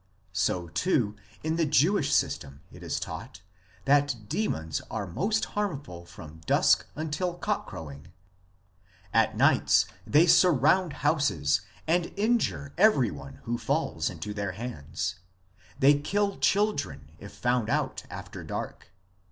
1 So, too, in the Jewish system it is taught that demons are most harmful from dusk until cock crow ing ; at nights they surround houses and injure everyone who falls into their hands ; they kill children if found out after dark.